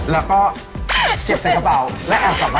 แล้วก็เข็บใส่กระเบาและแอบกลับไปกัน